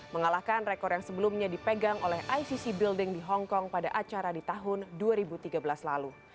mengalahkan rekor yang sebelumnya dipegang oleh icc building di hongkong pada acara di tahun dua ribu tiga belas lalu